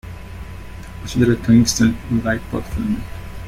Consider a tungsten light-bulb filament.